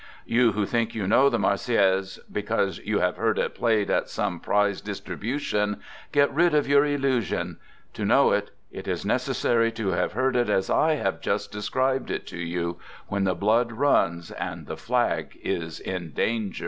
You who think you know the Marseillaise because you have heard it played at some prize distribution, get rid of your illusion. To know it, it is necessary to have heard it as I have just described it to you, when the blood runs, and the flag is in danger.